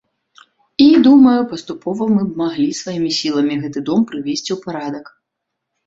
І, думаю, паступова мы б маглі сваімі сіламі гэты дом прывесці ў парадак.